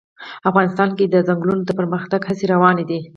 افغانستان کې د چنګلونه د پرمختګ هڅې روانې دي.